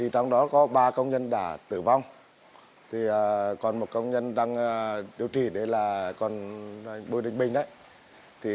trong đó có ba công nhân đã tử vong còn một công nhân đang điều trị là còn bùi đình bình